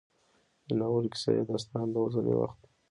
د ناول کيسه يا داستان د اوسني وخت